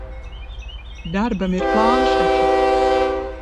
Darbam ir plāns taču.